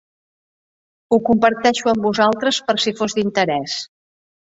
Ho comparteixo amb vosaltres per si fos d'interès.